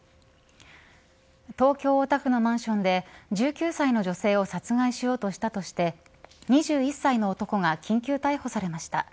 東京、大田区のマンションで１９歳の女性を殺害しようとしたとして２１歳の男が緊急逮捕されました。